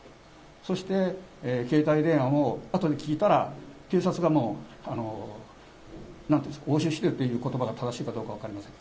そして、携帯電話も、後で聞いたら、警察がもう、押収してということばが正しいか分かりません。